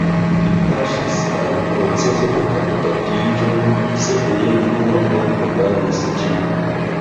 Li paŝis al procezo de kandidatiĝo, sed lia frua morto baris ĝin.